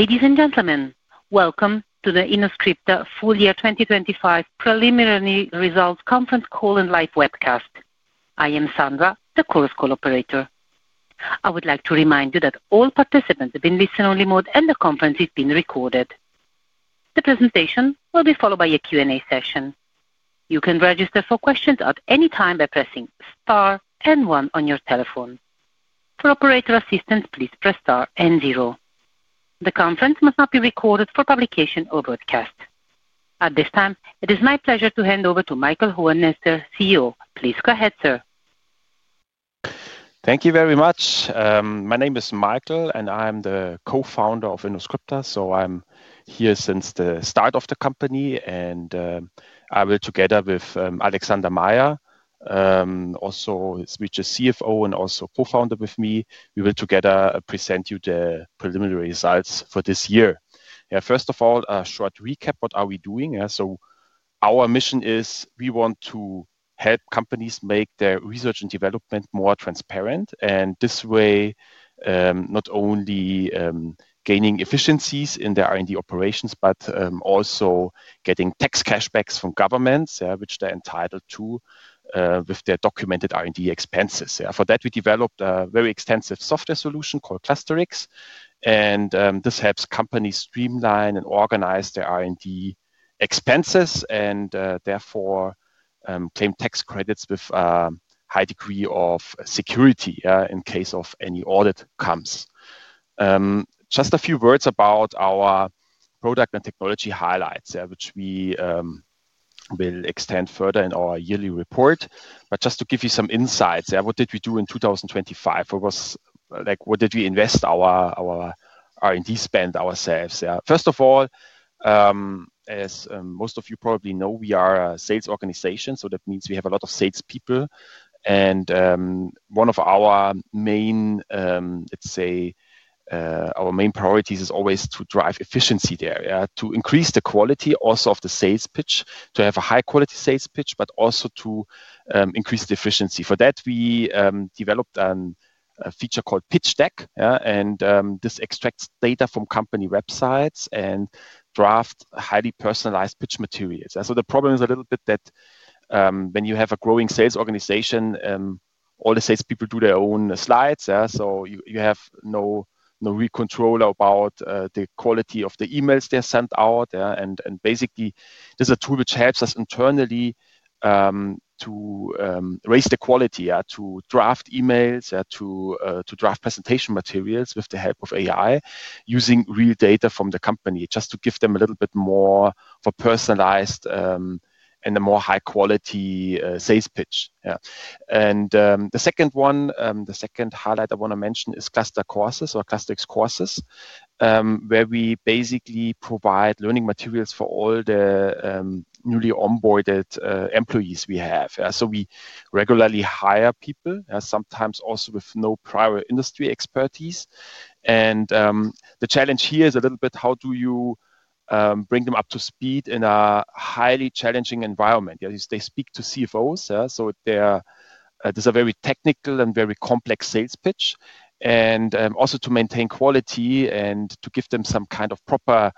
Ladies and gentlemen, welcome to the Innoscripta Full Year 2025 Preliminary Results Conference Call and Live Webcast. I am Sandra, the Chorus Call operator. I would like to remind you that all participants have been placed in listen-only mode and the conference is being recorded. The presentation will be followed by a Q&A session. You can register for questions at any time by pressing star one on your telephone. For operator assistance, please press star zero. The conference may not be recorded for publication or broadcast. At this time, it is my pleasure to hand over to Michael Hohenester, CEO. Please go ahead, sir. Thank you very much. My name is Michael and I'm the co-founder of Innoscripta, so I'm here since the start of the company. And I will together with Alexander Meyer, also which is CFO and also co-founder with me, we will together present you the preliminary results for this year. Yeah, first of all, a short recap: what are we doing? Yeah, so our mission is we want to help companies make their research and development more transparent, and this way, not only gaining efficiencies in their R&D operations, but also getting tax cashbacks from governments, yeah, which they're entitled to, with their documented R&D expenses. Yeah, for that, we developed a very extensive software solution called Clusterix. And this helps companies streamline and organize their R&D expenses and therefore claim tax credits with a high degree of security, yeah, in case of any audit comes. Just a few words about our product and technology highlights, yeah, which we will extend further in our yearly report. But just to give you some insights, yeah, what did we do in 2025? What was, like, what did we invest our R&D spend ourselves? Yeah, first of all, as most of you probably know, we are a sales organization, so that means we have a lot of salespeople. And one of our main, let's say, our main priorities is always to drive efficiency there, yeah, to increase the quality also of the sales pitch, to have a high-quality sales pitch, but also to increase the efficiency. For that, we developed a feature called Pitch Deck, yeah, and this extracts data from company websites and drafts highly personalized pitch materials. Yeah, so the problem is a little bit that, when you have a growing sales organization, all the salespeople do their own slides, yeah, so you, you have no, no real control about, the quality of the emails they send out, yeah, and, and basically, this is a tool which helps us internally, to, raise the quality, yeah, to draft emails, yeah, to, to draft presentation materials with the help of AI using real data from the company just to give them a little bit more for personalized, and a more high-quality, sales pitch. Yeah. The second one, the second highlight I wanna mention is Clusterix Courses or Clusterix Courses, where we basically provide learning materials for all the newly onboarded employees we have. Yeah, so we regularly hire people, yeah, sometimes also with no prior industry expertise. And the challenge here is a little bit how do you bring them up to speed in a highly challenging environment. Yeah, they speak to CFOs, yeah, so they're, this is a very technical and very complex sales pitch. And also to maintain quality and to give them some kind of proper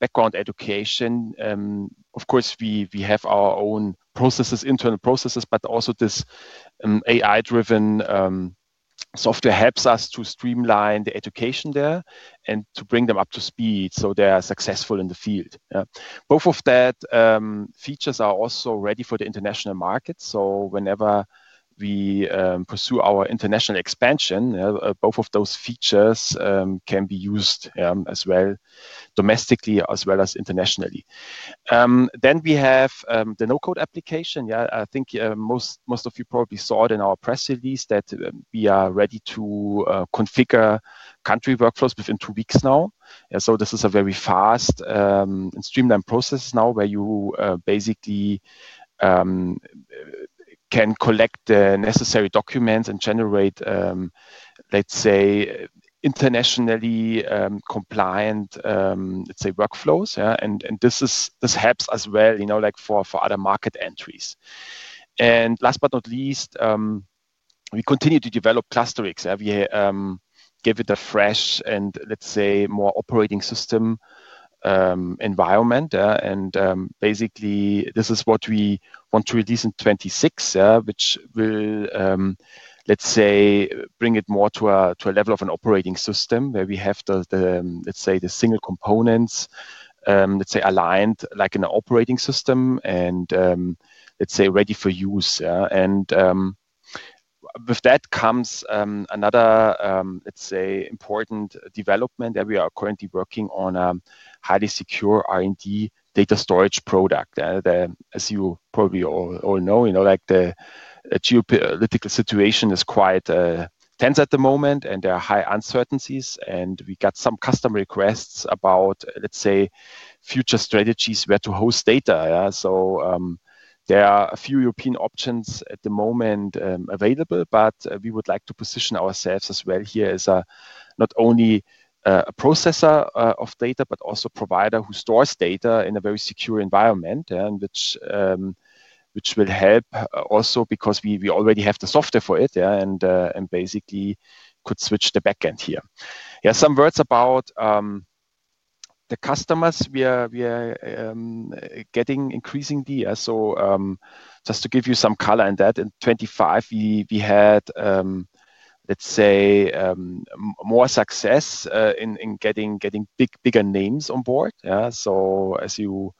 background education. Of course, we, we have our own processes, internal processes, but also this AI-driven software helps us to streamline the education there and to bring them up to speed so they're successful in the field. Yeah, both of that features are also ready for the international market. So whenever we pursue our international expansion, yeah, both of those features can be used, as well domestically as well as internationally. Then we have the no-code application. Yeah, I think most, most of you probably saw it in our press release that we are ready to configure country workflows within two weeks now. Yeah, so this is a very fast and streamlined process now where you basically can collect the necessary documents and generate, let's say, internationally compliant, let's say, workflows. Yeah, and this helps as well, you know, like, for other market entries. And last but not least, we continue to develop Clusterix. Yeah, we gave it a fresh and, let's say, more operating system environment. Yeah, and basically this is what we want to release in 2026, yeah, which will, let's say, bring it more to a level of an operating system where we have the single components, let's say, aligned like in an operating system and, let's say, ready for use. Yeah, and with that comes another, let's say, important development that we are currently working on: a highly secure R&D data storage product. Yeah, as you probably all know, you know, like, the geopolitical situation is quite tense at the moment, and there are high uncertainties. And we got some custom requests about, let's say, future strategies where to host data. Yeah, so there are a few European options at the moment available, but we would like to position ourselves as well here as not only a processor of data, but also a provider who stores data in a very secure environment, yeah, in which will help also because we already have the software for it, yeah, and basically could switch the backend here. Yeah, some words about the customers we are getting increasingly. Yeah, so just to give you some color in that, in 2025, we had, let's say, more success in getting bigger names on board. Yeah, so as you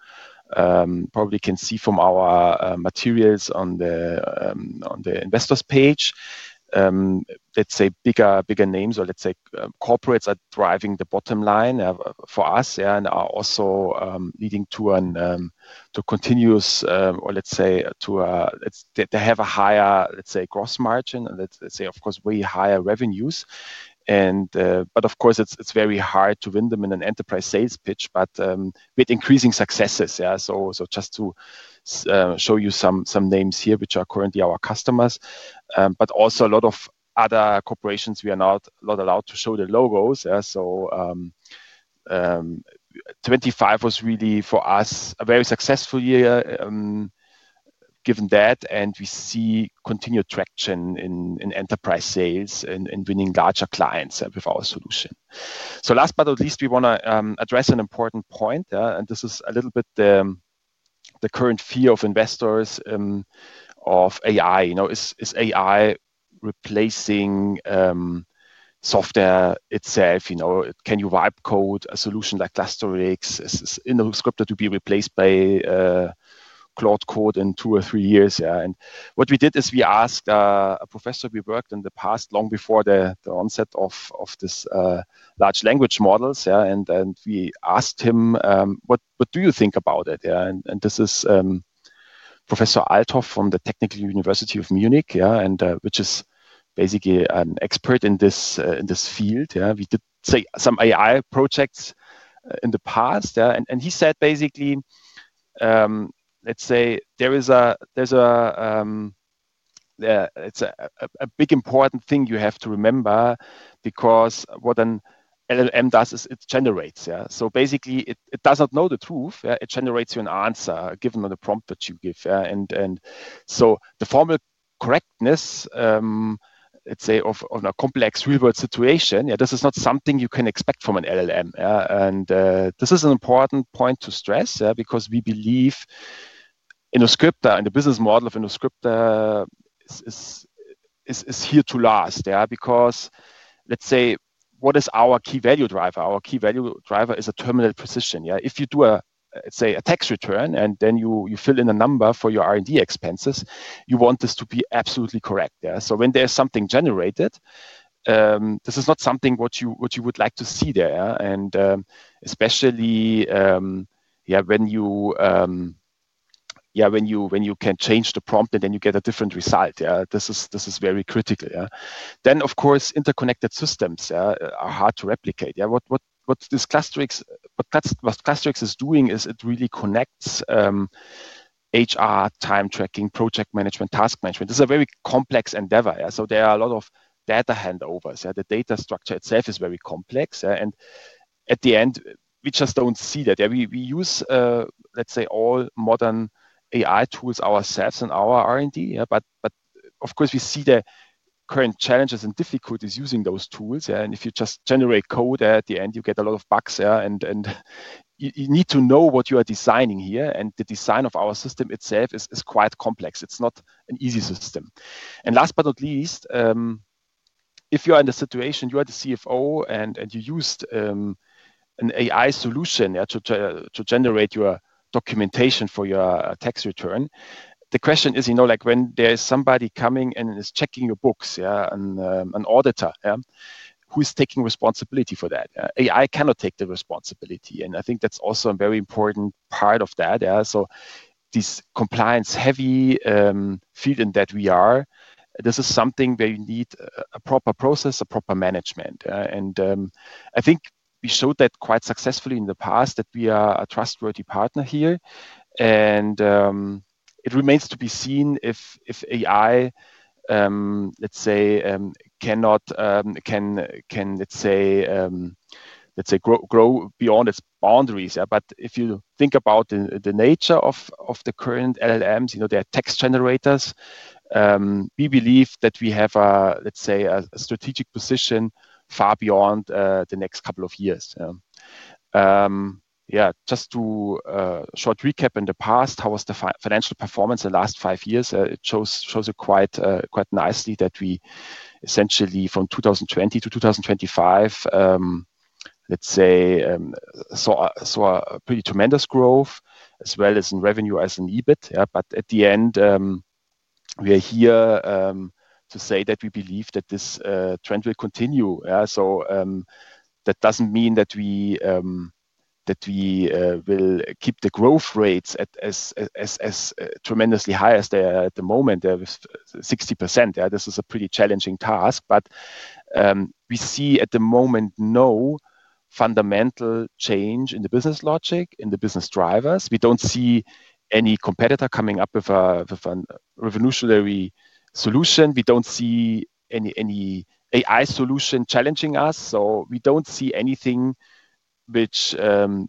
probably can see from our materials on the investors page, let's say, bigger names or let's say, corporates are driving the bottom line for us, yeah, and are also leading to a continuous, or let's say, they have a higher, let's say, gross margin, and let's say, of course, way higher revenues. But of course, it's very hard to win them in an enterprise sales pitch, but with increasing successes. Yeah, so just to show you some names here which are currently our customers, but also a lot of other corporations we are not allowed to show their logos. Yeah, so, 2025 was really for us a very successful year, given that, and we see continued traction in enterprise sales and winning larger clients with our solution. So last but not least, we wanna address an important point. Yeah, and this is a little bit the current fear of investors, of AI. You know, is AI replacing software itself? You know, can you write code a solution like Clusterix? Is Innoscripta to be replaced by Claude Code in two or three years? Yeah, and what we did is we asked a professor we worked in the past long before the onset of this large language models. Yeah, and we asked him, what do you think about it? Yeah, and this is Professor Althoff from the Technical University of Munich, yeah, and which is basically an expert in this, in this field. Yeah, we did say some AI projects in the past. Yeah, and he said basically, let's say, there is a big important thing you have to remember because what an LLM does is it generates. Yeah, so basically, it does not know the truth. Yeah, it generates you an answer given on the prompt that you give. Yeah, and so the formal correctness, let's say, of a complex real-world situation, yeah, this is not something you can expect from an LLM. Yeah, and this is an important point to stress, yeah, because we believe Innoscripta and the business model of Innoscripta is here to last. Yeah, because, let's say, what is our key value driver? Our key value driver is a terminal precision. Yeah, if you do a, let's say, a tax return and then you fill in a number for your R&D expenses, you want this to be absolutely correct. Yeah, so when there's something generated, this is not something what you would like to see there. Yeah, and, especially, yeah, when you can change the prompt and then you get a different result. Yeah, this is very critical. Yeah, then of course, interconnected systems, yeah, are hard to replicate. Yeah, what this Clusterix is doing is it really connects HR, time tracking, project management, task management. This is a very complex endeavor. Yeah, so there are a lot of data handovers. Yeah, the data structure itself is very complex. Yeah, and at the end, we just don't see that. Yeah, we use, let's say, all modern AI tools ourselves in our R&D. Yeah, but of course, we see the current challenges and difficulties using those tools. Yeah, and if you just generate code there at the end, you get a lot of bugs. Yeah, and you need to know what you are designing here, and the design of our system itself is quite complex. It's not an easy system. And last but not least, if you are in the situation you are the CFO and you used an AI solution, yeah, to get to generate your documentation for your tax return, the question is, you know, like, when there is somebody coming and is checking your books, yeah, an auditor, yeah, who is taking responsibility for that? Yeah, AI cannot take the responsibility. And I think that's also a very important part of that. Yeah, so this compliance-heavy field that we are in, this is something where you need a proper process, a proper management. Yeah, and I think we showed that quite successfully in the past that we are a trustworthy partner here. And it remains to be seen if AI, let's say, can grow beyond its boundaries. Yeah, but if you think about the nature of the current LLMs, you know, they are text generators. We believe that we have a, let's say, a strategic position far beyond the next couple of years. Yeah, yeah, just to short recap in the past, how was the financial performance the last five years? It shows it quite nicely that we essentially from 2020 to 2025, let's say, saw a pretty tremendous growth as well as in revenue as in EBIT. Yeah, but at the end, we are here to say that we believe that this trend will continue. Yeah, so that doesn't mean that we will keep the growth rates at as tremendously high as they are at the moment. They're with 60%. Yeah, this is a pretty challenging task. But we see at the moment no fundamental change in the business logic, in the business drivers. We don't see any competitor coming up with a revolutionary solution. We don't see any AI solution challenging us. So we don't see anything which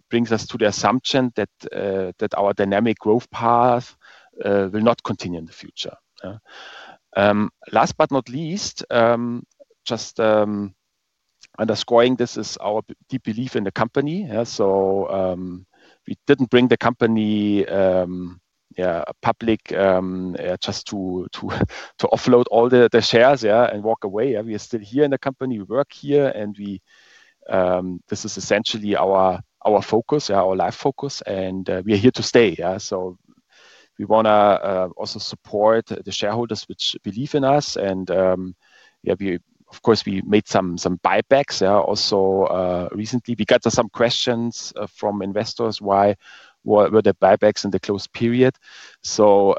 brings us to the assumption that our dynamic growth path will not continue in the future. Yeah, last but not least, just underscoring this is our deep belief in the company. Yeah, so we didn't bring the company, yeah, public, yeah, just to offload all the shares, yeah, and walk away. Yeah, we are still here in the company. We work here, and we, this is essentially our focus, yeah, our life focus. And we are here to stay. Yeah, so we wanna also support the shareholders which believe in us. And yeah, we of course made some buybacks, yeah, also recently. We got some questions from investors, why were there buybacks in the closed period? So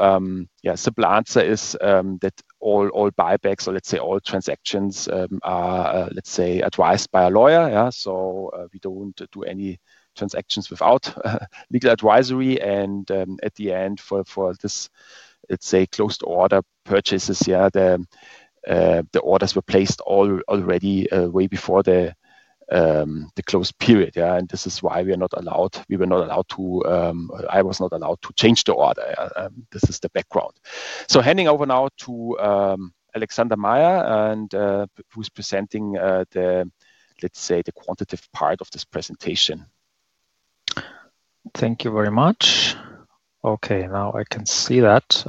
yeah, simple answer is that all buybacks or let's say all transactions are let's say advised by a lawyer. Yeah, so we don't do any transactions without legal advisory. At the end, for this, let's say, closed order purchases, yeah, the orders were placed already, way before the closed period. Yeah, and this is why we were not allowed to. I was not allowed to change the order. This is the background. So handing over now to Alexander Meyer, who's presenting the, let's say, quantitative part of this presentation. Thank you very much. Okay, now I can see that.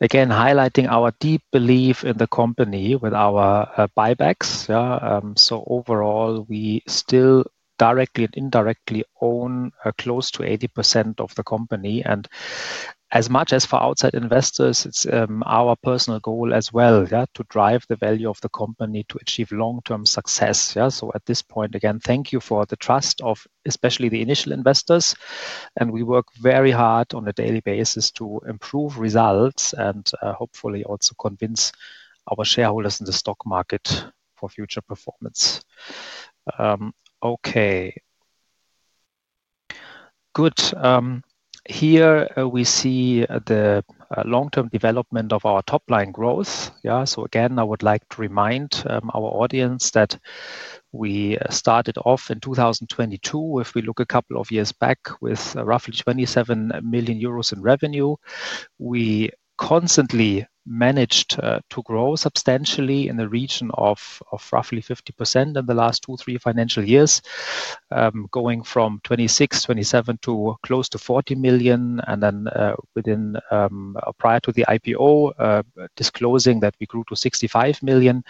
Again, highlighting our deep belief in the company with our buybacks. Yeah, so overall, we still directly and indirectly own close to 80% of the company. And as much as for outside investors, it's our personal goal as well, yeah, to drive the value of the company to achieve long-term success. Yeah, so at this point, again, thank you for the trust of especially the initial investors. And we work very hard on a daily basis to improve results and hopefully also convince our shareholders in the stock market for future performance. Okay. Good. Here, we see the long-term development of our top-line growth. Yeah, so again, I would like to remind our audience that we started off in 2022. If we look a couple of years back with roughly 27 million euros in revenue, we constantly managed to grow substantially in the region of roughly 50% in the last two, three financial years, going from 26 million, 27 million to close to 40 million. Then, within, prior to the IPO, disclosing that we grew to 65 million.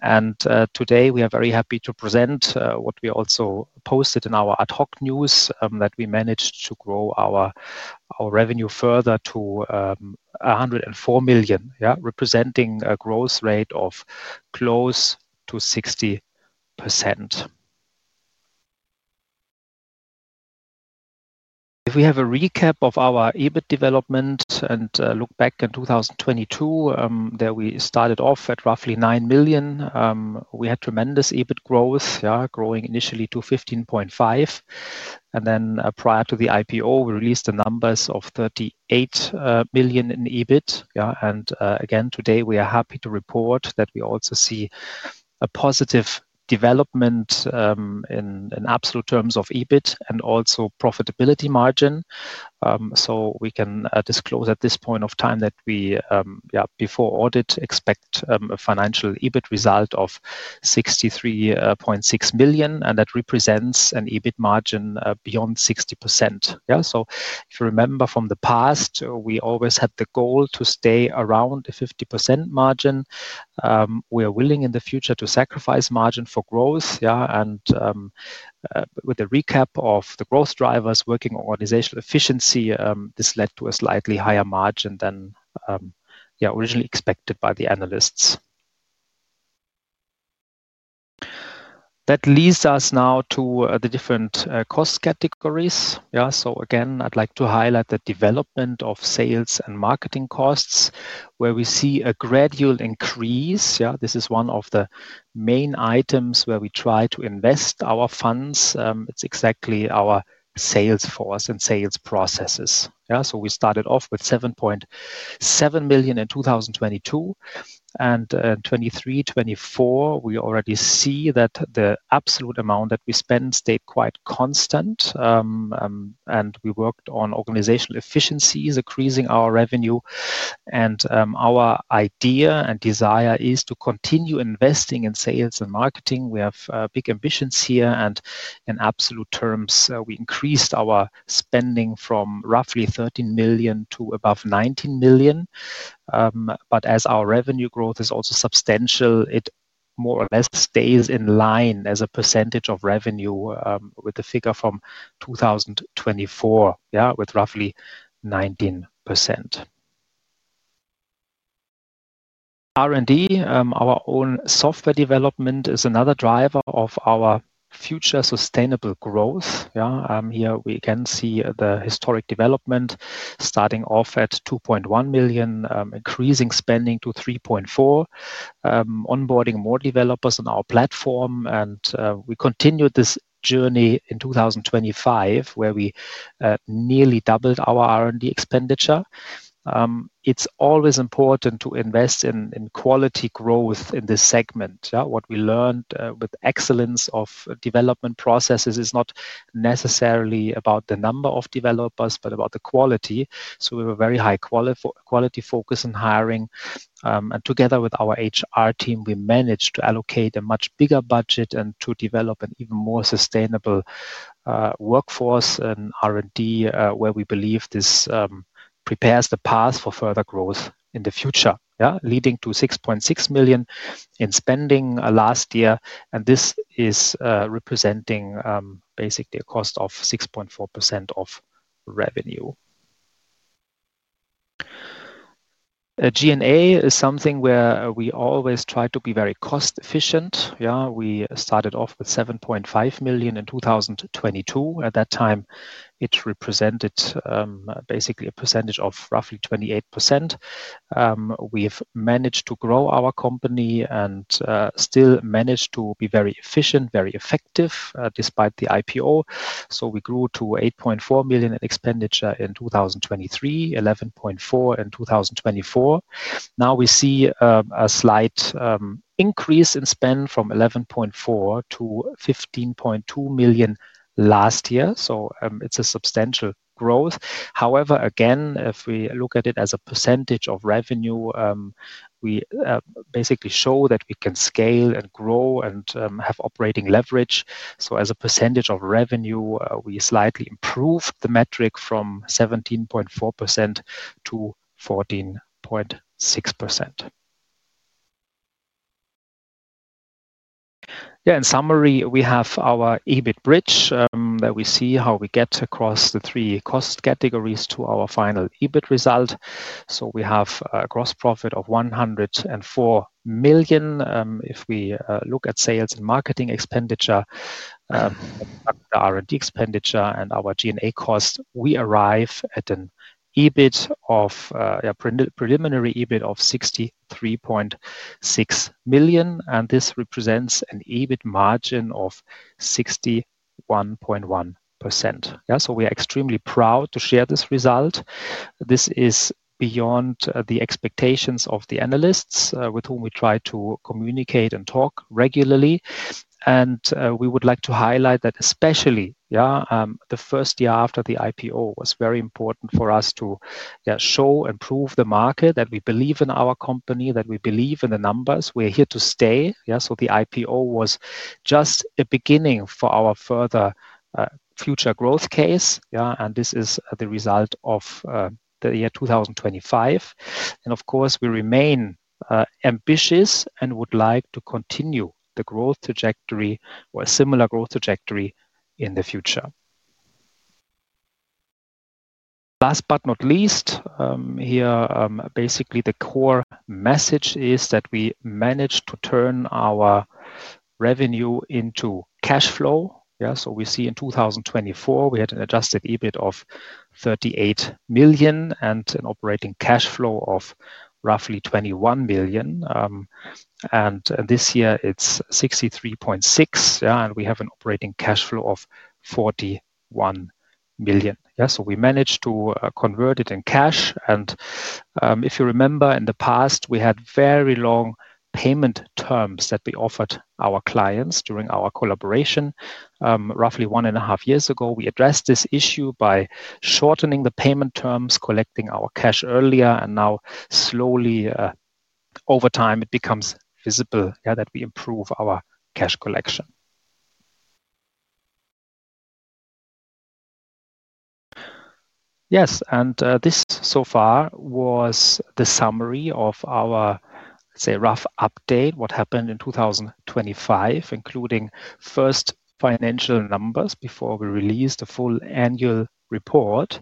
Today, we are very happy to present what we also posted in our ad hoc news, that we managed to grow our, our revenue further to 104 million, yeah, representing a growth rate of close to 60%. If we have a recap of our EBIT development and look back in 2022, there we started off at roughly 9 million. We had tremendous EBIT growth, yeah, growing initially to 15.5 million. Then, prior to the IPO, we released the numbers of 38 million in EBIT. Yeah, and again, today, we are happy to report that we also see a positive development in absolute terms of EBIT and also profitability margin. So we can disclose at this point of time that we, yeah, before audit, expect a financial EBIT result of 63.6 million, and that represents an EBIT margin beyond 60%. Yeah, so if you remember from the past, we always had the goal to stay around a 50% margin. We are willing in the future to sacrifice margin for growth. Yeah, and with a recap of the growth drivers, working on organizational efficiency, this led to a slightly higher margin than, yeah, originally expected by the analysts. That leads us now to the different cost categories. Yeah, so again, I'd like to highlight the development of sales and marketing costs where we see a gradual increase. Yeah, this is one of the main items where we try to invest our funds. It's exactly our sales force and sales processes. Yeah, so we started off with 7.7 million in 2022. And in 2023, 2024, we already see that the absolute amount that we spend stayed quite constant. And we worked on organizational efficiencies, increasing our revenue. And our idea and desire is to continue investing in sales and marketing. We have big ambitions here. And in absolute terms, we increased our spending from roughly 13 million to above 19 million. But as our revenue growth is also substantial, it more or less stays in line as a percentage of revenue with the figure from 2024, yeah, with roughly 19%. R&D, our own software development, is another driver of our future sustainable growth. Yeah, here, we can see the historic development starting off at 2.1 million, increasing spending to 3.4 million, onboarding more developers on our platform. And, we continued this journey in 2025 where we nearly doubled our R&D expenditure. It's always important to invest in quality growth in this segment. Yeah, what we learned, with excellence of development processes is not necessarily about the number of developers, but about the quality. So we have a very high quality focus in hiring. And together with our HR team, we managed to allocate a much bigger budget and to develop an even more sustainable workforce in R&D, where we believe this prepares the path for further growth in the future, yeah, leading to 6.6 million in spending last year. And this is representing basically a cost of 6.4% of revenue. G&A is something where we always try to be very cost-efficient. Yeah, we started off with 7.5 million in 2022. At that time, it represented basically a percentage of roughly 28%. We have managed to grow our company and still manage to be very efficient, very effective, despite the IPO. So we grew to 8.4 million in expenditure in 2023, 11.4 million in 2024. Now we see a slight increase in spend from 11.4 million-15.2 million last year. So it's a substantial growth. However, again, if we look at it as a percentage of revenue, we basically show that we can scale and grow and have operating leverage. So as a percentage of revenue, we slightly improved the metric from 17.4%-14.6%. Yeah, in summary, we have our EBIT bridge that we see how we get across the three cost categories to our final EBIT result. So we have a gross profit of 104 million. If we look at sales and marketing expenditure, the R&D expenditure and our G&A cost, we arrive at an EBIT of, yeah, preliminary EBIT of 63.6 million. This represents an EBIT margin of 61.1%. Yeah, so we are extremely proud to share this result. This is beyond the expectations of the analysts, with whom we try to communicate and talk regularly. We would like to highlight that especially, yeah, the first year after the IPO was very important for us to, yeah, show and prove to the market that we believe in our company, that we believe in the numbers. We are here to stay. Yeah, so the IPO was just a beginning for our further, future growth case. Yeah, and this is the result of the year 2025. And of course, we remain ambitious and would like to continue the growth trajectory or a similar growth trajectory in the future. Last but not least, here basically the core message is that we managed to turn our revenue into cash flow. Yeah, so we see in 2024, we had an adjusted EBIT of 38 million and an operating cash flow of roughly 21 million. And this year, it's 63.6 million. Yeah, and we have an operating cash flow of 41 million. Yeah, so we managed to convert it in cash. And if you remember, in the past, we had very long payment terms that we offered our clients during our collaboration. Roughly one and a half years ago, we addressed this issue by shortening the payment terms, collecting our cash earlier. And now, slowly, over time, it becomes visible, yeah, that we improve our cash collection. Yes, and this so far was the summary of our, let's say, rough update, what happened in 2025, including first financial numbers before we released the full annual report.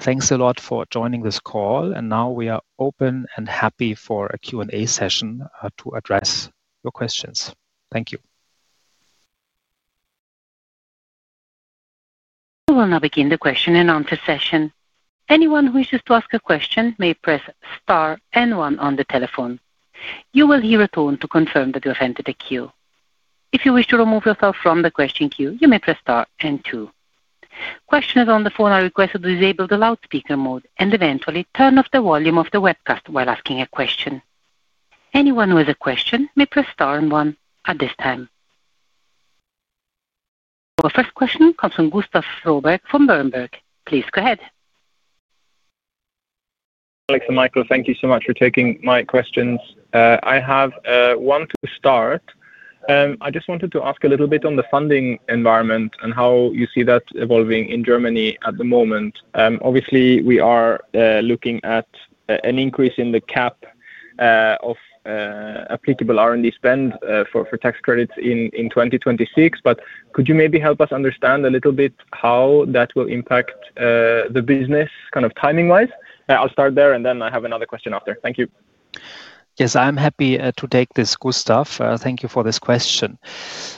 Thanks a lot for joining this call. And now we are open and happy for a Q&A session, to address your questions. Thank you. We will now begin the question and answer session. Anyone who wishes to ask a question may press star and one on the telephone. You will hear a tone to confirm that you have entered the queue. If you wish to remove yourself from the question queue, you may press star and two. Questioners on the phone are requested to disable the loudspeaker mode and eventually turn off the volume of the webcast while asking a question. Anyone who has a question may press star and one at this time. Our first question comes from Gustav Fröberg from Berenberg. Please go ahead. Alex and Michael, thank you so much for taking my questions. I have one to start. I just wanted to ask a little bit on the funding environment and how you see that evolving in Germany at the moment. Obviously, we are looking at an increase in the cap of applicable R&D spend for tax credits in 2026. But could you maybe help us understand a little bit how that will impact the business kind of timing-wise? I'll start there, and then I have another question after. Thank you. Yes, I'm happy to take this, Gustav. Thank you for this question.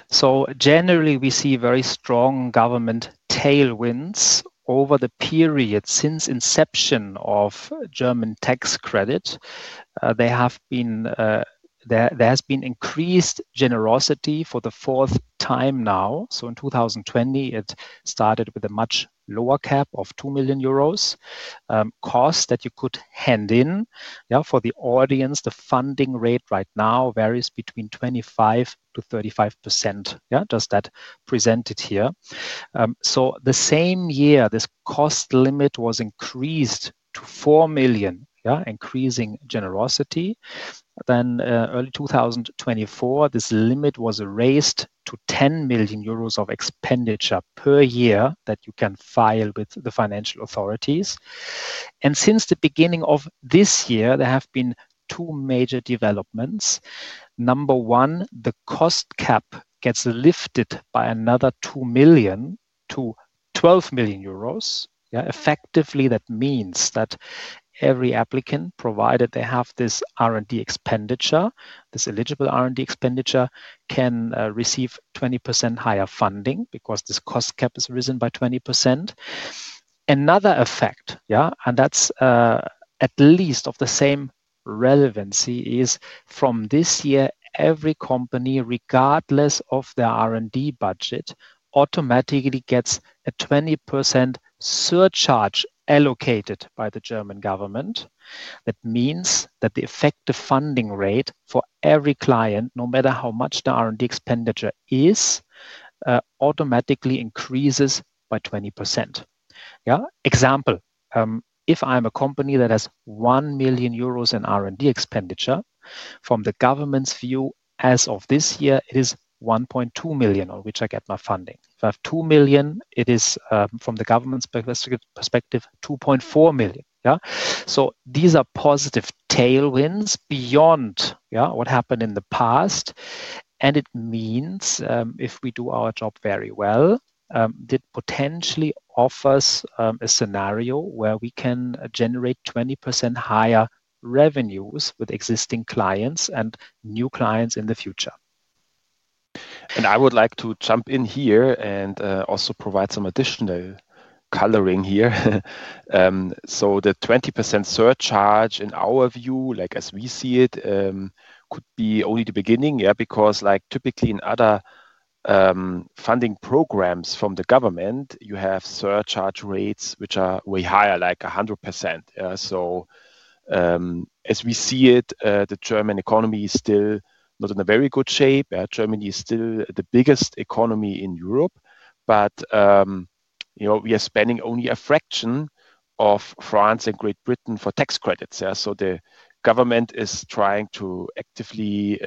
So generally, we see very strong government tailwinds over the period since inception of German tax credit. They have been, there has been increased generosity for the fourth time now. So in 2020, it started with a much lower cap of 2 million euros cost that you could hand in. Yeah, for the audience, the funding rate right now varies between 25%-35%. Yeah, just that presented here. So the same year, this cost limit was increased to 4 million, yeah, increasing generosity. Then, early 2024, this limit was raised to 10 million euros of expenditure per year that you can file with the financial authorities. And since the beginning of this year, there have been two major developments. Number one, the cost cap gets lifted by another 2 million to 12 million euros. Yeah, effectively, that means that every applicant, provided they have this R&D expenditure, this eligible R&D expenditure, can receive 20% higher funding because this cost cap is risen by 20%. Another effect, yeah, and that's at least of the same relevancy, is from this year, every company, regardless of their R&D budget, automatically gets a 20% surcharge allocated by the German government. That means that the effective funding rate for every client, no matter how much the R&D expenditure is, automatically increases by 20%. Yeah, example, if I'm a company that has 1 million euros in R&D expenditure, from the government's view, as of this year, it is 1.2 million on which I get my funding. If I have 2 million, it is from the government's perspective 2.4 million. Yeah, so these are positive tailwinds beyond, yeah, what happened in the past. It means, if we do our job very well, it potentially offers a scenario where we can generate 20% higher revenues with existing clients and new clients in the future. And I would like to jump in here and also provide some additional coloring here. So the 20% surcharge, in our view, like as we see it, could be only the beginning, yeah, because, like, typically in other funding programs from the government, you have surcharge rates which are way higher, like 100%. Yeah, so, as we see it, the German economy is still not in a very good shape. Yeah, Germany is still the biggest economy in Europe. But, you know, we are spending only a fraction of France and Great Britain for tax credits. Yeah, so the government is trying to actively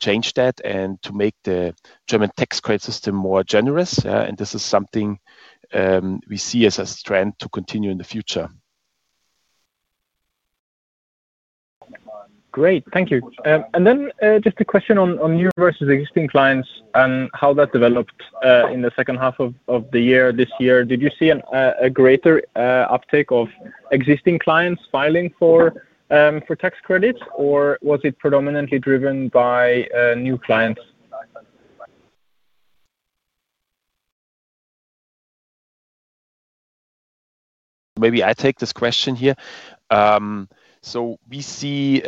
change that and to make the German tax credit system more generous. Yeah, and this is something we see as a strength to continue in the future. Great. Thank you. And then, just a question on new versus existing clients and how that developed in the second half of the year this year. Did you see a greater uptake of existing clients filing for tax credits, or was it predominantly driven by new clients? Maybe I take this question here. So we see,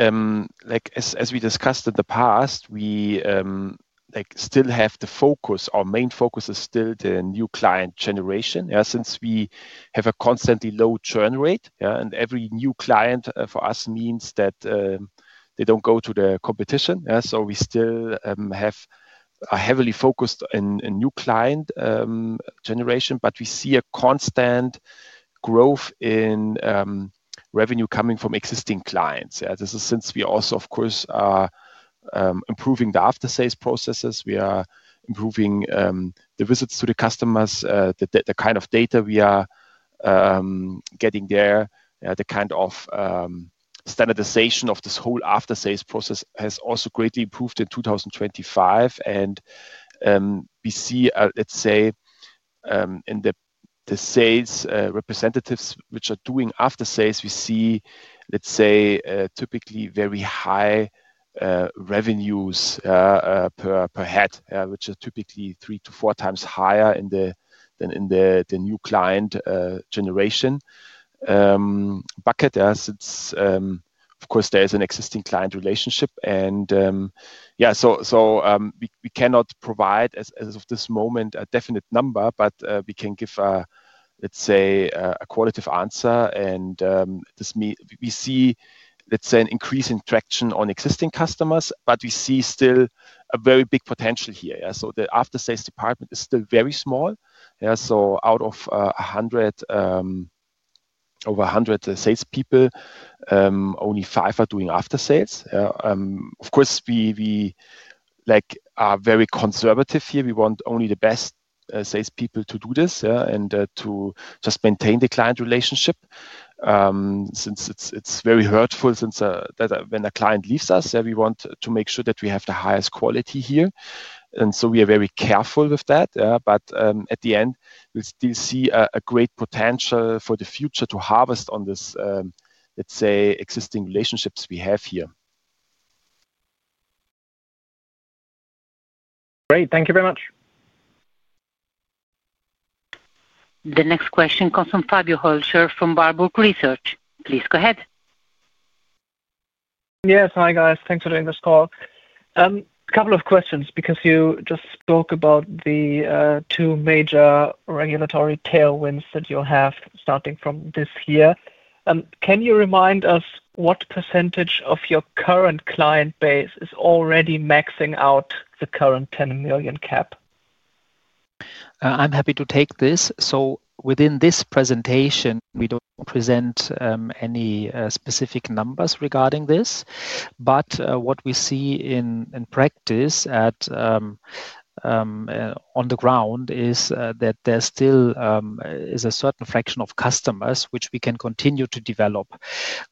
like, as we discussed in the past, we, like, still have the focus or main focus is still the new client generation. Yeah, since we have a constantly low churn rate. Yeah, and every new client, for us means that they don't go to the competition. Yeah, so we still have a heavily focused in new client generation. But we see a constant growth in revenue coming from existing clients. Yeah, this is since we also, of course, are improving the after-sales processes. We are improving the visits to the customers, the kind of data we are getting there. Yeah, the kind of standardization of this whole after-sales process has also greatly improved in 2025. We see, let's say, in the sales representatives which are doing after-sales, we see, let's say, typically very high revenues per head, yeah, which are typically 3x-4x higher in the than in the new client generation bucket. Yeah, since, of course, there is an existing client relationship. Yeah, so we cannot provide as of this moment a definite number, but we can give a, let's say, a qualitative answer. This means we see, let's say, an increase in traction on existing customers, but we see still a very big potential here. Yeah, so the after-sales department is still very small. Yeah, so out of over 100 salespeople, only five are doing after-sales. Yeah, of course, we like are very conservative here. We want only the best salespeople to do this, yeah, and to just maintain the client relationship. Since it's very hurtful when a client leaves us, yeah, we want to make sure that we have the highest quality here. And so we are very careful with that. Yeah, but at the end, we'll still see a great potential for the future to harvest on this, let's say, existing relationships we have here. Great. Thank you very much. The next question comes from Fabio Hölscher from Warburg Research. Please go ahead. Yes, hi, guys. Thanks for joining this call. A couple of questions because you just spoke about the two major regulatory tailwinds that you'll have starting from this year. Can you remind us what percentage of your current client base is already maxing out the current 10 million cap? I'm happy to take this. So within this presentation, we don't present any specific numbers regarding this. But what we see in practice at on the ground is that there still is a certain fraction of customers which we can continue to develop.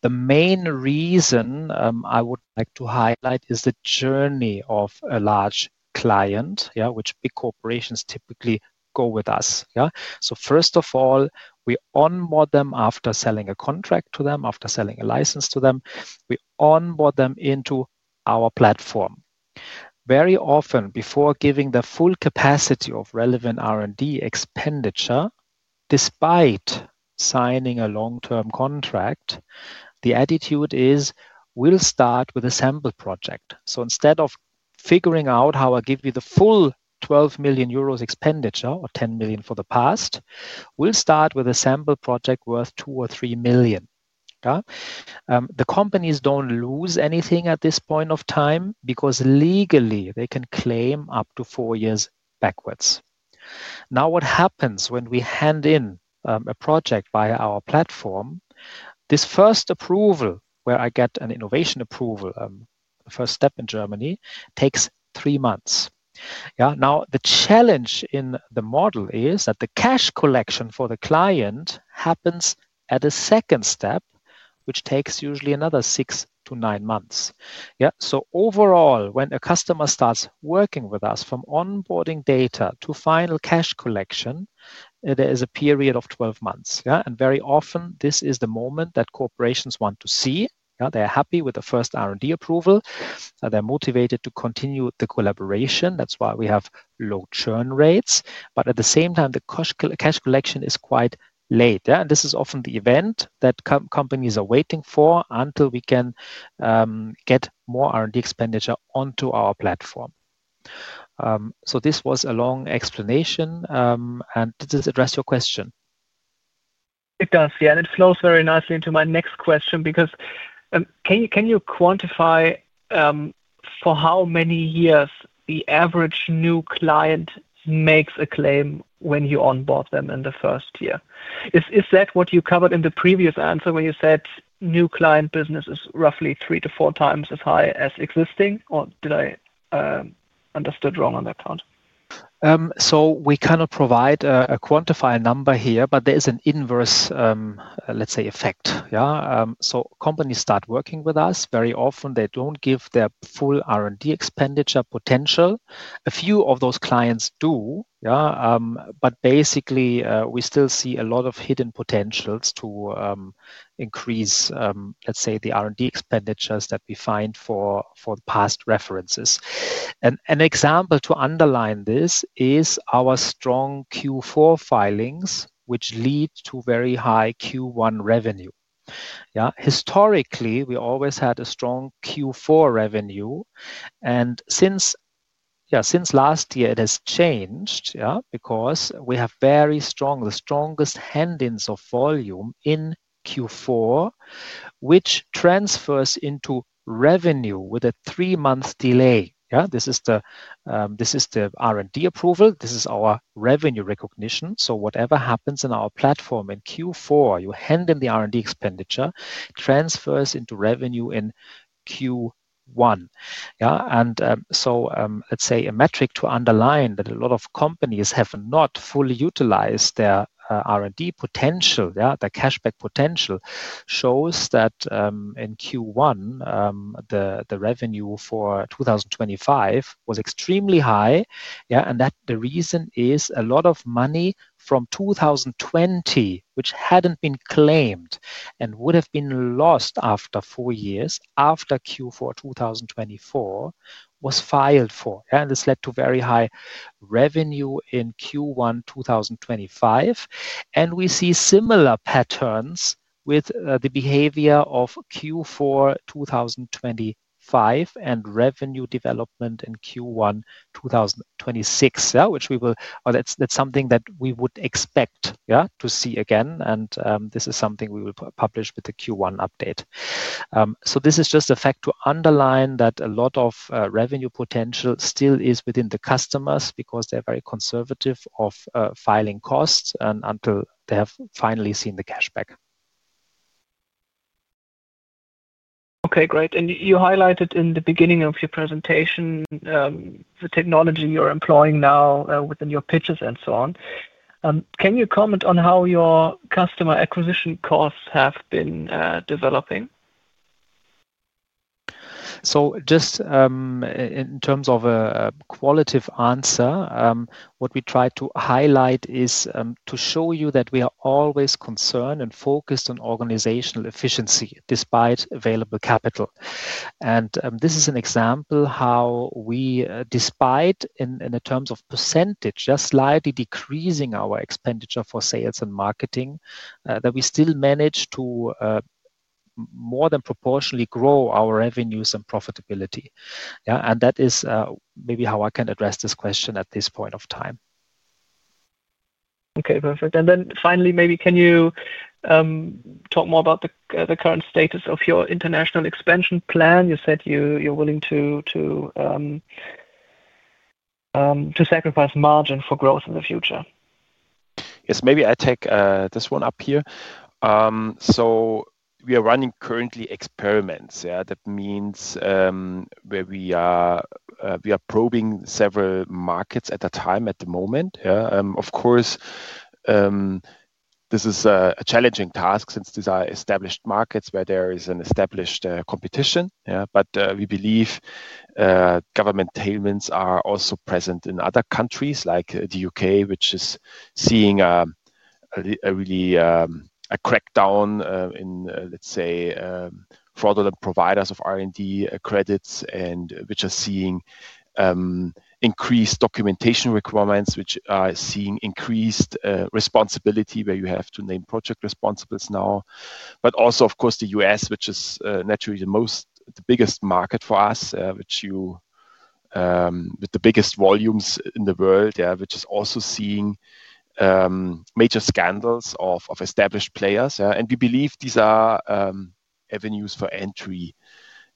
The main reason I would like to highlight is the journey of a large client, yeah, which big corporations typically go with us. Yeah, so first of all, we onboard them after selling a contract to them, after selling a license to them. We onboard them into our platform. Very often, before giving the full capacity of relevant R&D expenditure, despite signing a long-term contract, the attitude is, "We'll start with a sample project." So instead of figuring out how I give you the full 12 million euros expenditure or 10 million for the past, we'll start with a sample project worth 2 million or 3 million. Yeah, the companies don't lose anything at this point of time because legally, they can claim up to four years backwards. Now, what happens when we hand in a project via our platform? This first approval, where I get an innovation approval, the first step in Germany, takes three months. Yeah, now the challenge in the model is that the cash collection for the client happens at a second step, which takes usually another six to nine months. Yeah, so overall, when a customer starts working with us, from onboarding data to final cash collection, there is a period of 12 months. Yeah, and very often, this is the moment that corporations want to see. Yeah, they're happy with the first R&D approval. They're motivated to continue the collaboration. That's why we have low churn rates. But at the same time, the cash collection is quite late. Yeah, and this is often the event that companies are waiting for until we can get more R&D expenditure onto our platform. So this was a long explanation, and does this address your question? It does, yeah. And it flows very nicely into my next question because, can you quantify, for how many years the average new client makes a claim when you onboard them in the first year? Is that what you covered in the previous answer when you said new client business is roughly 3x-4x as high as existing, or did I understand wrong on that count? So we cannot provide a quantified number here, but there is an inverse, let's say, effect. Yeah, so companies start working with us. Very often, they don't give their full R&D expenditure potential. A few of those clients do, yeah, but basically, we still see a lot of hidden potentials to increase, let's say, the R&D expenditures that we find for past references. And an example to underline this is our strong Q4 filings, which lead to very high Q1 revenue. Yeah, historically, we always had a strong Q4 revenue. And since, yeah, since last year, it has changed, yeah, because we have very strong, the strongest handlings of volume in Q4, which transfers into revenue with a three-month delay. Yeah, this is the R&D approval. This is our revenue recognition. So whatever happens in our platform in Q4, you hand in the R&D expenditure, transfers into revenue in Q1. Yeah, and, so, let's say, a metric to underline that a lot of companies have not fully utilized their R&D potential, yeah, their cashback potential, shows that, in Q1, the revenue for 2025 was extremely high. Yeah, and that the reason is a lot of money from 2020, which hadn't been claimed and would have been lost after four years, after Q4 2024, was filed for. Yeah, and this led to very high revenue in Q1 2025. And we see similar patterns with the behavior of Q4 2025 and revenue development in Q1 2026, yeah, which we will or that's something that we would expect, yeah, to see again. And this is something we will publish with the Q1 update. This is just a fact to underline that a lot of revenue potential still is within the customers because they're very conservative of filing costs and until they have finally seen the cashback. Okay. Great. And you highlighted in the beginning of your presentation, the technology you're employing now, within your pitches and so on. Can you comment on how your customer acquisition costs have been, developing? So just, in terms of a qualitative answer, what we try to highlight is to show you that we are always concerned and focused on organizational efficiency despite available capital. This is an example how we, despite in the terms of percentage, just slightly decreasing our expenditure for sales and marketing, that we still manage to more than proportionally grow our revenues and profitability. Yeah, and that is maybe how I can address this question at this point of time. Okay. Perfect. And then finally, maybe can you talk more about the current status of your international expansion plan? You said you're willing to sacrifice margin for growth in the future. Yes. Maybe I take this one up here. So we are running currently experiments. Yeah, that means where we are, we are probing several markets at a time at the moment. Yeah, of course, this is a challenging task since these are established markets where there is an established competition. Yeah, but we believe government tailwinds are also present in other countries like the U.K., which is seeing a really crackdown in, let's say, fraudulent providers of R&D credits and which are seeing increased documentation requirements, which are seeing increased responsibility where you have to name project responsibles now. But also, of course, the US, which is naturally the biggest market for us, which, with the biggest volumes in the world, yeah, which is also seeing major scandals of established players. Yeah, and we believe these are avenues for entry.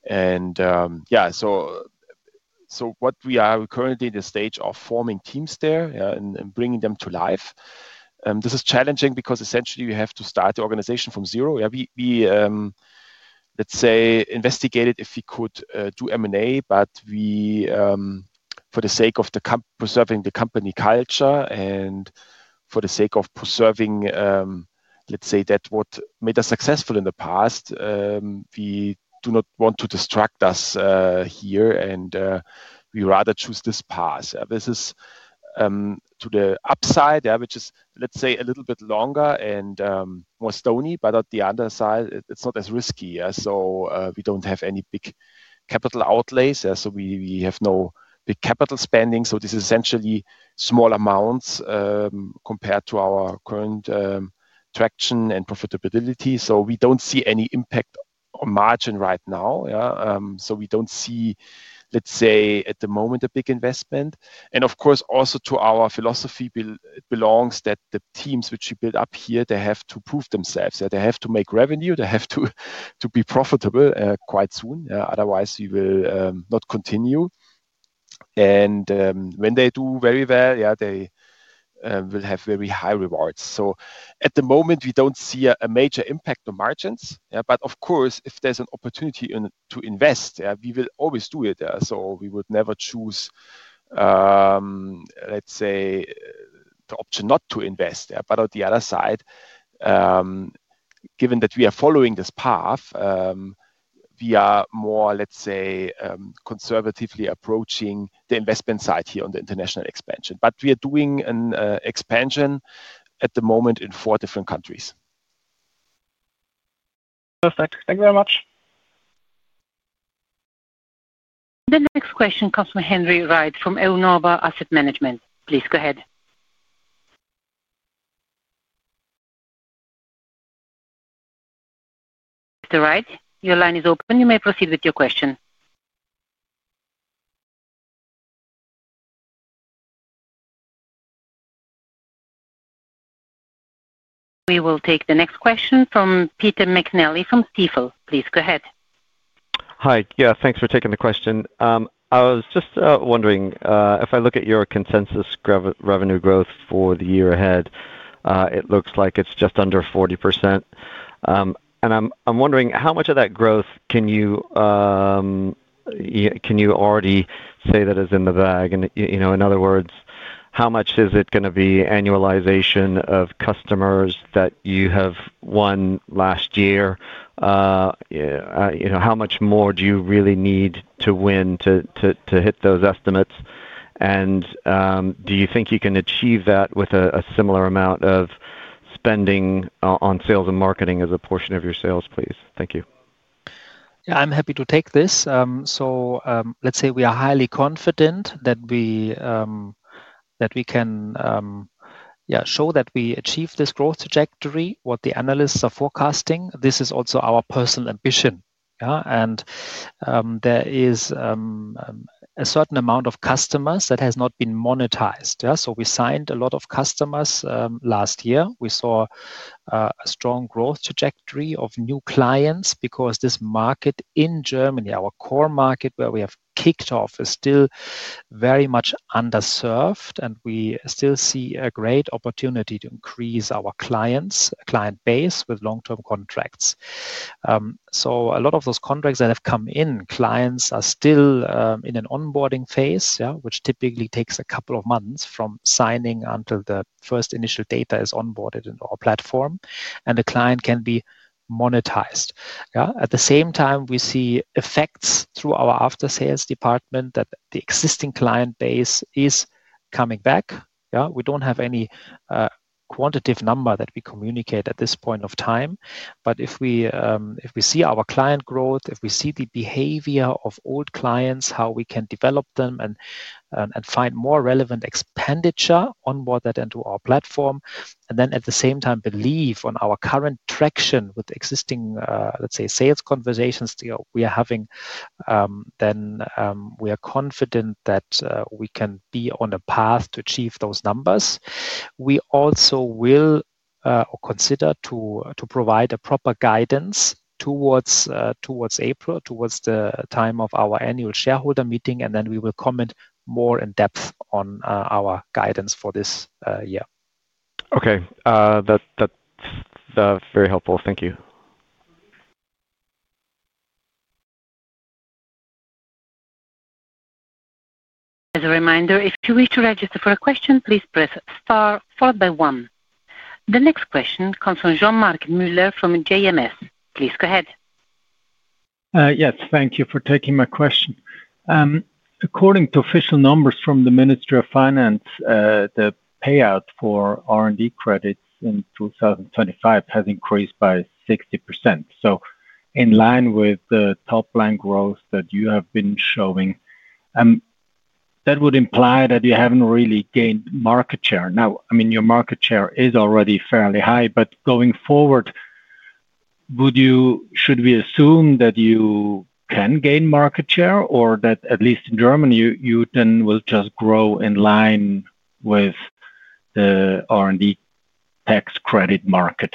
Yeah, so, so what we are currently in the stage of forming teams there, yeah, and, and bringing them to life. This is challenging because essentially, we have to start the organization from zero. Yeah, we, we, let's say, investigated if we could, do M&A, but we, for the sake of the comp preserving the company culture and for the sake of preserving, let's say, that what made us successful in the past, we do not want to distract us, here, and, we rather choose this path. Yeah, this is, to the upside, yeah, which is, let's say, a little bit longer and, more stony, but at the other side, it's not as risky. Yeah, so, we don't have any big capital outlays. Yeah, so we, we have no big capital spending. So this is essentially small amounts, compared to our current, traction and profitability. So we don't see any impact on margin right now. Yeah, so we don't see, let's say, at the moment, a big investment. And of course, also to our philosophy, it belongs that the teams which you build up here, they have to prove themselves. Yeah, they have to make revenue. They have to, to be profitable, quite soon. Yeah, otherwise, we will, not continue. And, when they do very well, yeah, they, will have very high rewards. So at the moment, we don't see a major impact on margins. Yeah, but of course, if there's an opportunity in to invest, yeah, we will always do it. Yeah, so we would never choose, let's say, the option not to invest. Yeah, but at the other side, given that we are following this path, we are more, let's say, conservatively approaching the investment side here on the international expansion. We are doing an expansion at the moment in four different countries. Perfect. Thank you very much. The next question comes from Henry Wright from Innova Asset Management. Please go ahead. Mr. Wright, your line is open. You may proceed with your question. We will take the next question from Peter McNally from Stifel. Please go ahead. Hi. Yeah, thanks for taking the question. I was just wondering if I look at your consensus revenue growth for the year ahead, it looks like it's just under 40%. I'm wondering how much of that growth can you already say that is in the bag? And you know, in other words, how much is it gonna be annualization of customers that you have won last year? You know, how much more do you really need to win to hit those estimates? And do you think you can achieve that with a similar amount of spending on sales and marketing as a portion of your sales, please? Thank you. Yeah, I'm happy to take this. So, let's say we are highly confident that we, that we can, yeah, show that we achieve this growth trajectory, what the analysts are forecasting. This is also our personal ambition. Yeah, and there is a certain amount of customers that has not been monetized. Yeah, so we signed a lot of customers last year. We saw a strong growth trajectory of new clients because this market in Germany, our core market where we have kicked off, is still very much underserved, and we still see a great opportunity to increase our clients, client base with long-term contracts. So a lot of those contracts that have come in, clients are still in an onboarding phase, yeah, which typically takes a couple of months from signing until the first initial data is onboarded in our platform, and the client can be monetized. Yeah, at the same time, we see effects through our after-sales department that the existing client base is coming back. Yeah, we don't have any quantitative number that we communicate at this point of time. But if we see our client growth, if we see the behavior of old clients, how we can develop them and find more relevant expenditure onboarded into our platform, and then at the same time believe on our current traction with existing, let's say, sales conversations, you know, we are having, then we are confident that we can be on a path to achieve those numbers. We also will consider to provide a proper guidance towards April, towards the time of our annual shareholder meeting, and then we will comment more in depth on our guidance for this year. Okay. That, that's very helpful. Thank you. As a reminder, if you wish to register for a question, please press star followed by one. The next question comes from Jean-Marc Müller from JMS. Please go ahead. Yes. Thank you for taking my question. According to official numbers from the Ministry of Finance, the payout for R&D credits in 2025 has increased by 60%. So in line with the top-line growth that you have been showing, that would imply that you haven't really gained market share. Now, I mean, your market share is already fairly high, but going forward, would you should we assume that you can gain market share or that at least in Germany, you, you then will just grow in line with the R&D tax credit market?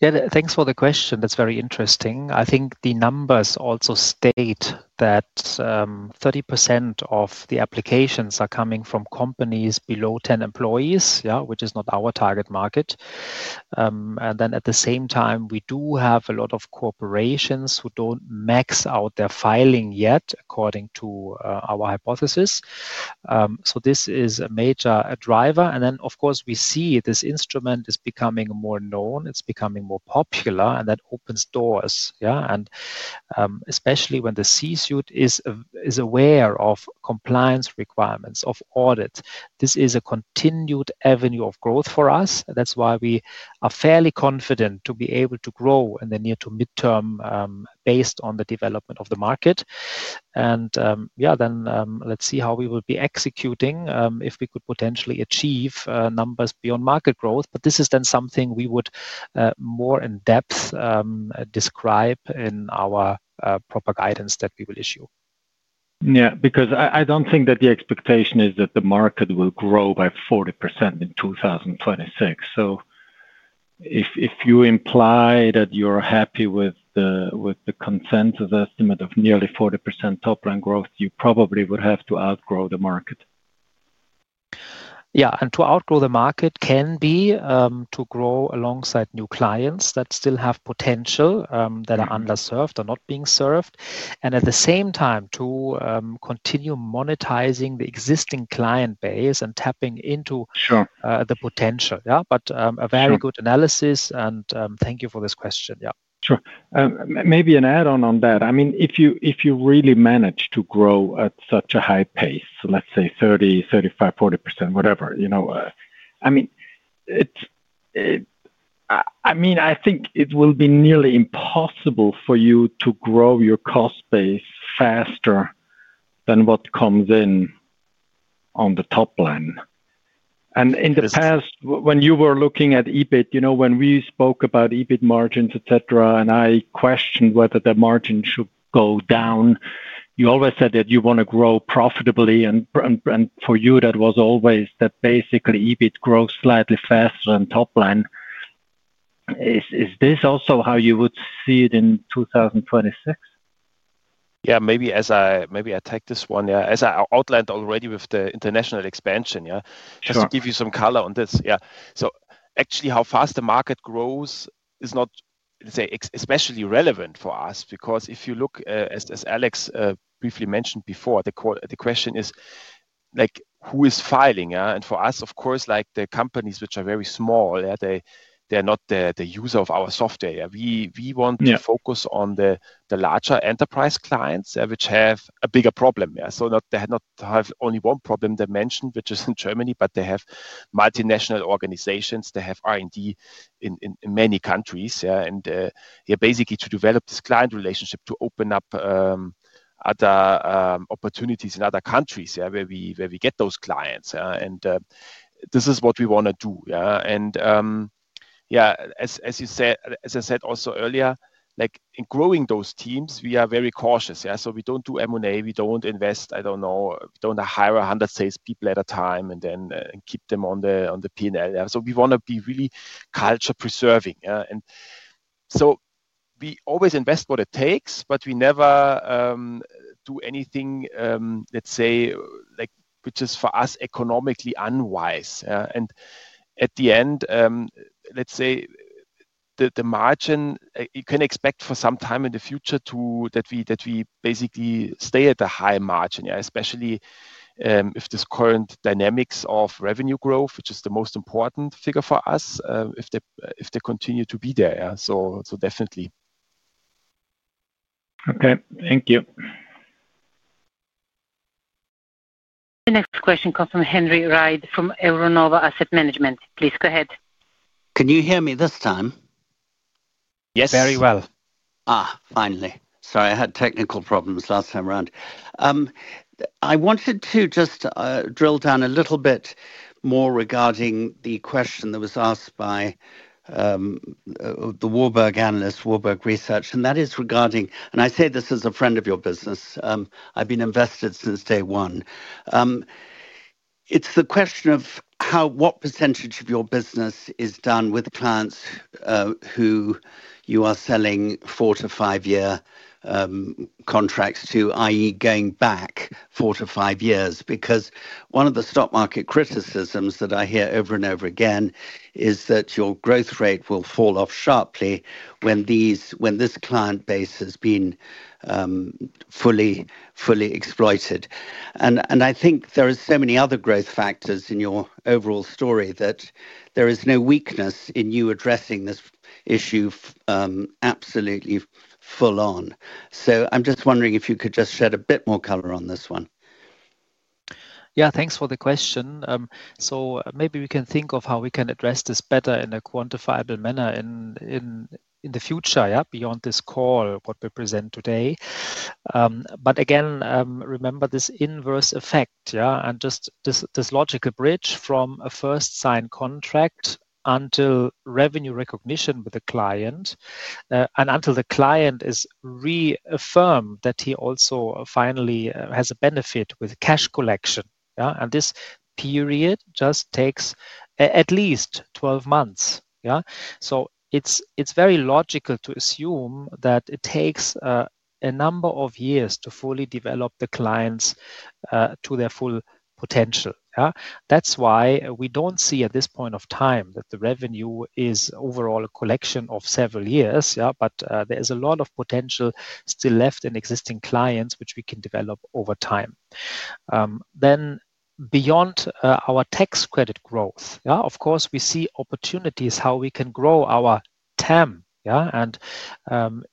Yeah, thanks for the question. That's very interesting. I think the numbers also state that 30% of the applications are coming from companies below 10 employees, yeah, which is not our target market. Then at the same time, we do have a lot of corporations who don't max out their filing yet according to our hypothesis. So this is a major driver. And then, of course, we see this instrument is becoming more known. It's becoming more popular, and that opens doors. Yeah, and especially when the C-suite is aware of compliance requirements, of audit. This is a continued avenue of growth for us. That's why we are fairly confident to be able to grow in the near- to mid-term, based on the development of the market. And yeah, then let's see how we will be executing, if we could potentially achieve numbers beyond market growth. But this is then something we would, more in depth, describe in our proper guidance that we will issue. Yeah, because I don't think that the expectation is that the market will grow by 40% in 2026. So if you imply that you're happy with the consensus estimate of nearly 40% top-line growth, you probably would have to outgrow the market. Yeah, and to outgrow the market can be to grow alongside new clients that still have potential, that are underserved or not being served. And at the same time, continue monetizing the existing client base and tapping into the potential. Yeah, but a very good analysis, and thank you for this question. Yeah. Sure. Maybe an add-on on that. I mean, if you really manage to grow at such a high pace, let's say 30%, 35%, 40%, whatever, you know, I mean, it's, it I mean, I think it will be nearly impossible for you to grow your cost base faster than what comes in on the top line. And in the past. Yes. When you were looking at EBIT, you know, when we spoke about EBIT margins, etc., and I questioned whether the margin should go down, you always said that you wanna grow profitably. And, and, and for you, that was always that basically, EBIT grows slightly faster than top line. Is, is this also how you would see it in 2026? Yeah, maybe I take this one. Yeah, as I outlined already with the international expansion. Yeah. Sure. Just to give you some color on this. Yeah, so actually, how fast the market grows is not, let's say, especially relevant for us because if you look, as Alex briefly mentioned before, the question is, like, who is filing? Yeah, and for us, of course, like, the companies which are very small, yeah, they are not the user of our software. Yeah, we want to focus on the larger enterprise clients, yeah, which have a bigger problem. Yeah, so they have not only one problem they mentioned, which is in Germany, but they have multinational organizations. They have R&D in many countries. Yeah, and yeah, basically, to develop this client relationship, to open up other opportunities in other countries, yeah, where we get those clients. Yeah, and this is what we wanna do. Yeah, and yeah, as you said as I said also earlier, like, in growing those teams, we are very cautious. Yeah, so we don't do M&A. We don't invest, I don't know, we don't hire 100 salespeople at a time and then keep them on the P&L. Yeah, so we wanna be really culture-preserving. Yeah, and so we always invest what it takes, but we never do anything, let's say, like, which is for us economically unwise. Yeah, and at the end, let's say, the margin, you can expect for some time in the future that we basically stay at a high margin. Yeah, especially if this current dynamics of revenue growth, which is the most important figure for us, if they continue to be there. Yeah, so definitely. Okay. Thank you. The next question comes from Henry Reid from Euronova Asset Management. Please go ahead. Can you hear me this time? Yes. Very well. Finally. Sorry, I had technical problems last time around. I wanted to just drill down a little bit more regarding the question that was asked by the Warburg analyst, Warburg Research, and that is regarding, and I say this as a friend of your business. I've been invested since day one. It's the question of how what percentage of your business is done with clients, who you are selling four-five-year contracts to, i.e., going back four-five years because one of the stock market criticisms that I hear over and over again is that your growth rate will fall off sharply when this client base has been fully exploited. And I think there are so many other growth factors in your overall story that there is no weakness in you addressing this issue, absolutely full-on. I'm just wondering if you could just shed a bit more color on this one. Yeah, thanks for the question. So maybe we can think of how we can address this better in a quantifiable manner in the future, yeah, beyond this call, what we present today. But again, remember this inverse effect, yeah, and just this logical bridge from a first-sign contract until revenue recognition with the client, and until the client is reaffirmed that he also finally has a benefit with cash collection. Yeah, and this period just takes at least 12 months. Yeah, so it's very logical to assume that it takes a number of years to fully develop the clients to their full potential. Yeah, that's why we don't see at this point of time that the revenue is overall a collection of several years. But there is a lot of potential still left in existing clients, which we can develop over time. Then beyond our tax credit growth, yeah, of course, we see opportunities how we can grow our TAM. Yeah, and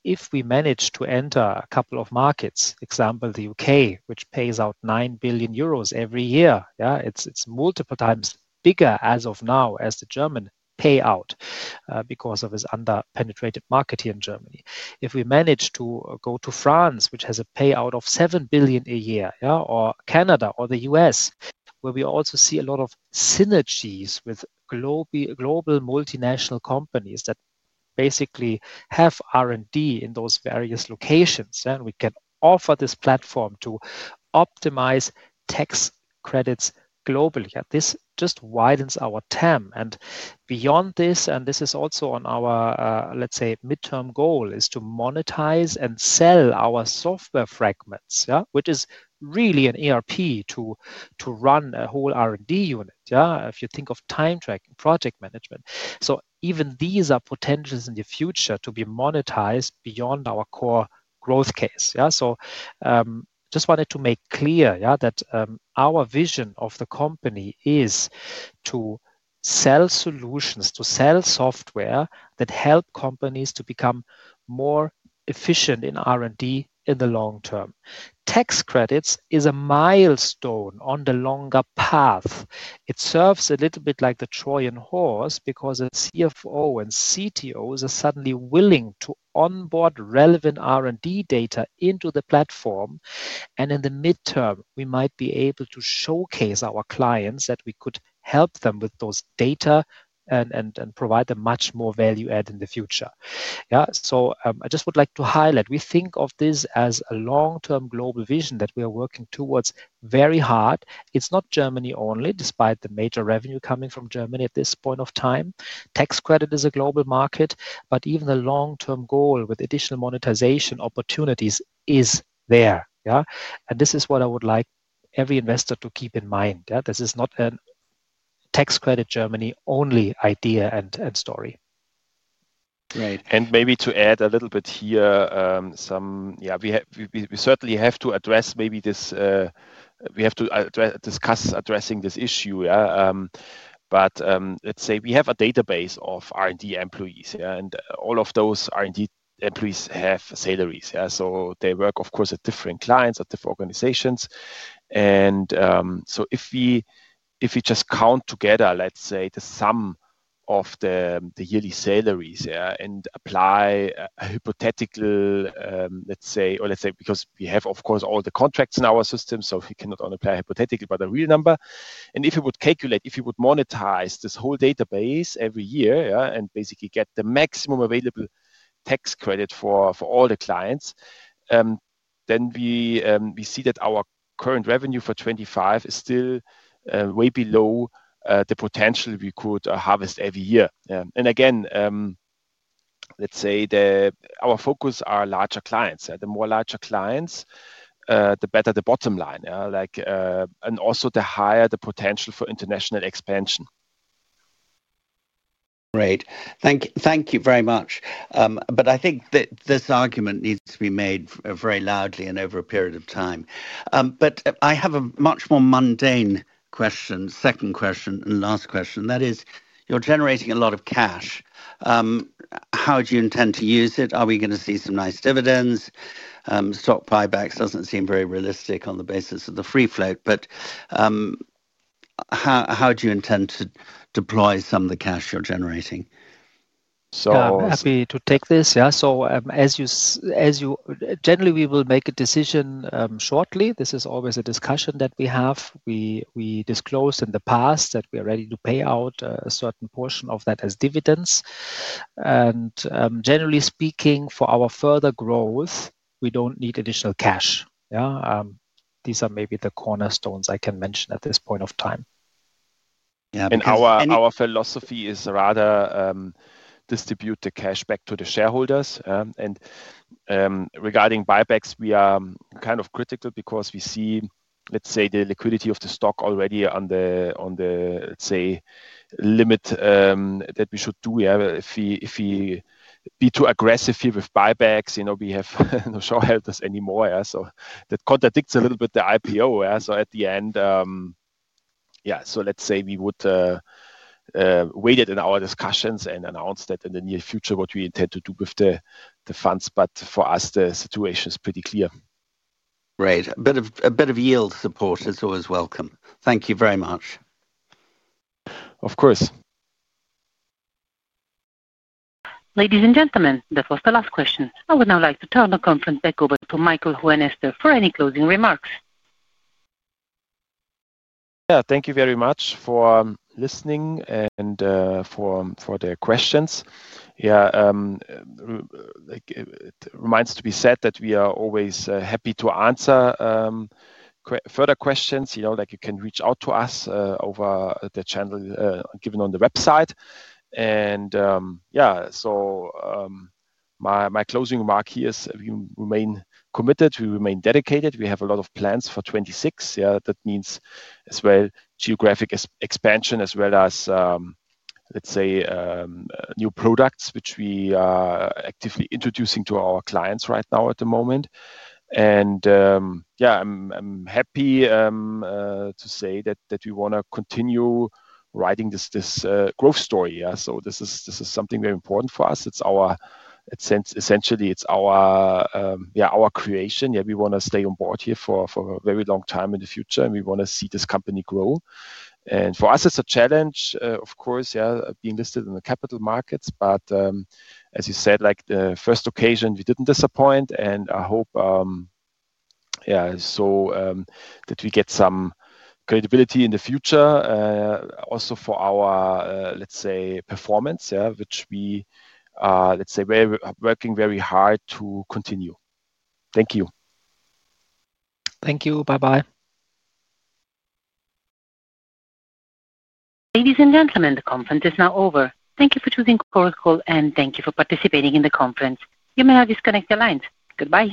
if we manage to enter a couple of markets, example, the U.K., which pays out 9 billion euros every year, yeah, it's multiple times bigger as of now as the German payout, because of its under-penetrated market here in Germany. If we manage to go to France, which has a payout of 7 billion a year, yeah, or Canada or the U.S., where we also see a lot of synergies with global multinational companies that basically have R&D in those various locations, yeah, and we can offer this platform to optimize tax credits globally. Yeah, this just widens our TAM. And beyond this, and this is also on our, let's say, mid-term goal, is to monetize and sell our software fragments, yeah, which is really an ERP to run a whole R&D unit. Yeah, if you think of time tracking, project management. So even these are potentials in the future to be monetized beyond our core growth case. Yeah, so just wanted to make clear, yeah, that our vision of the company is to sell solutions, to sell software that help companies to become more efficient in R&D in the long term. Tax credits is a milestone on the longer path. It serves a little bit like the Trojan horse because a CFO and CTOs are suddenly willing to onboard relevant R&D data into the platform, and in the mid-term, we might be able to showcase our clients that we could help them with those data and, and, and provide them much more value-add in the future. \Yeah, so, I just would like to highlight, we think of this as a long-term global vision that we are working towards very hard. It's not Germany only, despite the major revenue coming from Germany at this point of time. Tax credit is a global market, but even the long-term goal with additional monetization opportunities is there. Yeah, and this is what I would like every investor to keep in mind. Yeah, this is not a tax credit Germany-only idea and, and story. Right. And maybe to add a little bit here, yeah, we certainly have to address maybe this, we have to address discuss addressing this issue. Yeah, but let's say we have a database of R&D employees. Yeah, and all of those R&D employees have salaries. Yeah, so they work, of course, at different clients, at different organizations. And so if we just count together, let's say, the sum of the yearly salaries, yeah, and apply a hypothetical, let's say, or let's say because we have, of course, all the contracts in our system, so we cannot only apply hypothetical but a real number. And if you would calculate if you would monetize this whole database every year, yeah, and basically get the maximum available tax credit for, for all the clients, then we, we see that our current revenue for 2025 is still, way below, the potential we could, harvest every year. Yeah, and again, let's say the our focus are larger clients. Yeah, the more larger clients, the better the bottom line. Yeah, like, and also the higher the potential for international expansion. Great. Thank you very much. But I think that this argument needs to be made very loudly and over a period of time. But I have a much more mundane question, second question, and last question. That is, you're generating a lot of cash. How do you intend to use it? Are we gonna see some nice dividends? Stock buybacks doesn't seem very realistic on the basis of the free float, but how do you intend to deploy some of the cash you're generating? Yeah, I'm happy to take this. Yeah, so as you generally, we will make a decision shortly. This is always a discussion that we have. We disclosed in the past that we are ready to pay out a certain portion of that as dividends. And generally speaking, for our further growth, we don't need additional cash. Yeah, these are maybe the cornerstones I can mention at this point of time. Our philosophy is rather distribute the cash back to the shareholders. Yeah, and regarding buybacks, we are kind of critical because we see, let's say, the liquidity of the stock already on the, let's say, limit that we should do. Yeah, if we be too aggressive here with buybacks, you know, we have no shareholders anymore. Yeah, so that contradicts a little bit the IPO. Yeah, so at the end, yeah, so let's say we would weigh it in our discussions and announce that in the near future what we intend to do with the funds. But for us, the situation's pretty clear. Right. A bit of yield support is always welcome. Thank you very much. Of course. Ladies and gentlemen, this was the last question. I would now like to turn the conference back over to Michael Hohenester for any closing remarks. Yeah, thank you very much for listening and for the questions. Yeah, like, it reminds to be said that we are always happy to answer any further questions. You know, like, you can reach out to us over the channel given on the website. And yeah, so my closing remark here is we remain committed. We remain dedicated. We have a lot of plans for 2026. Yeah, that means as well geographic expansion as well as, let's say, new products, which we are actively introducing to our clients right now at the moment. And yeah, I'm happy to say that we wanna continue writing this growth story. Yeah, so this is something very important for us. It's our essence essentially; it's our creation. Yeah, we wanna stay on board here for a very long time in the future, and we wanna see this company grow. And for us, it's a challenge, of course, yeah, being listed in the capital markets. But, as you said, like, the first occasion, we didn't disappoint, and I hope, yeah, so, that we get some credibility in the future, also for our, let's say, performance, yeah, which we are, let's say, very working very hard to continue. Thank you. Thank you. Bye-bye. Ladies and gentlemen, the conference is now over. Thank you for choosing Chorus Call, and thank you for participating in the conference. You may now disconnect your lines. Goodbye.